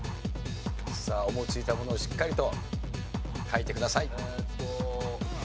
さあ思いついたものをしっかりと書いてください。